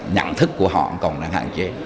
nhận thức của họ vẫn còn đang hạn chế